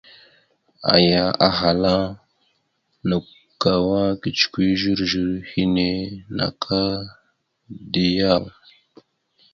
Aya ahala: « Nakw kawa kecəkwe zozor henne naka da yaw? ».